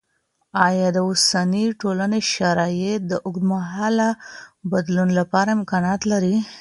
آیا د اوسني ټولني شرایط د اوږدمهاله بدلون لپاره امکانات لري؟